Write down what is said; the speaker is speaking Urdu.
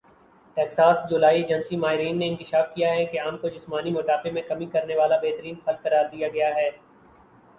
ٹیکساس جولائی ایجنسی ماہرین نے انکشاف کیا ہے کہ آم کو جسمانی موٹاپے میں کمی کرنے والا بہترین پھل قرار دیا گیا ہے